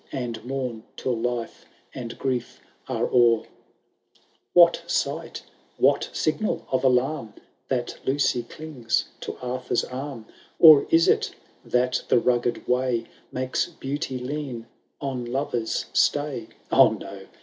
And mourn till life and grief are o*er. VL What sight, what signal of alam^ That Lucy clings to Arthur*s arm ? Or is it, that the rugged way Hakes Beauty lean on lover*s stay ? Oh, no